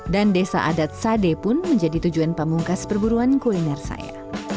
dan desa adat sade pun menjadi tujuan pamungkas perburuan kuliner saya